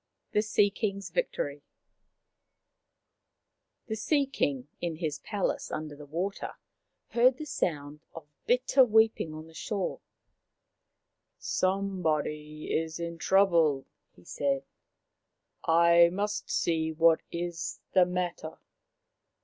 THE SEA KING'S VICTORY The Sea king in his palace under the water heard the sound of bitter weeping on the shore. " Some body is in trouble/' he said. " I must see what is the matter."